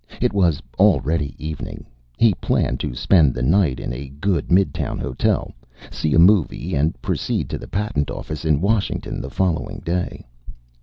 It was already evening. He planned to spend the night in a good midtown hotel, see a movie, and proceed to the Patent Office in Washington the following day.